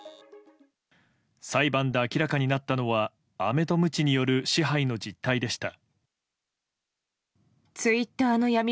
裁判で明らかになったのはアメとムチによる支配の実態でした。